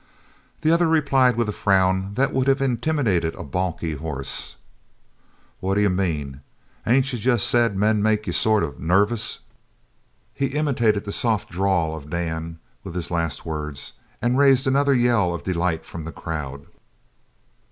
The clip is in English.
The other replied with a frown that would have intimidated a balky horse. "What d'you mean? Ain't you jest said men made you sort of nervous?" He imitated the soft drawl of Dan with his last words and raised another yell of delight from the crowd.